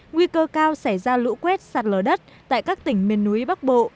nguy cơ cao xảy ra lũ quét sạt lở đất tại các tỉnh miền núi bắc bộ